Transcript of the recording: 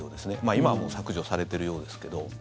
今はもう削除されてるようですけど。